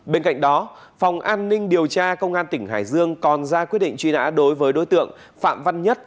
bên cạnh đó phòng an ninh điều tra công an tỉnh hải dương còn ra quyết định truy nã đối với đối tượng phạm văn nhất